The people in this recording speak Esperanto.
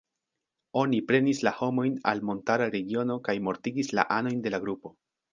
Oni prenis la homojn al montara regiono kaj mortigis la anojn de la grupo.